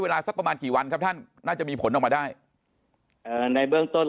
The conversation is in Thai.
สักประมาณกี่วันครับท่านน่าจะมีผลออกมาได้เอ่อในเบื้องต้น